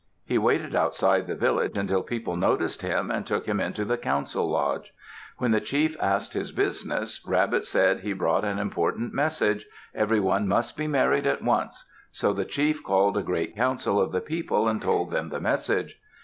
He waited outside the village until people noticed him and took him into the council lodge. When the chief asked his business, Rabbit said he brought an important message: everyone must be married at once. So the chief called a great council of the people and told them the message.